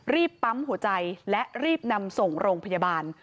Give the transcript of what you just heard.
ปั๊มหัวใจและรีบนำส่งโรงพยาบาล